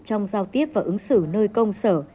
trong giao tiếp và ứng xử nơi công sở